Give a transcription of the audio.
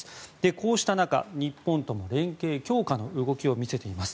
こうした中、日本とも連携強化の動きを見せています。